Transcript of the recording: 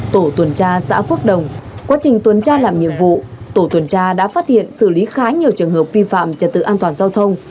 tổ tuần tra xã phước đồng quá trình tuần tra làm nhiệm vụ tổ tuần tra đã phát hiện xử lý khá nhiều trường hợp vi phạm trật tự an toàn giao thông